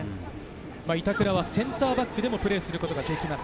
板倉はセンターバックでもプレーすることができます。